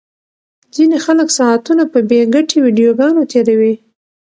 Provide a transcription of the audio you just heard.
ځینې خلک ساعتونه په بې ګټې ویډیوګانو تیروي.